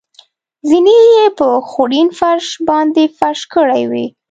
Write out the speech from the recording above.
زېنې یې په خوړین فرش باندې فرش کړې وې.